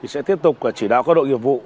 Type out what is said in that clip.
sẽ tiếp tục chỉ đạo các đội nghiệp vụ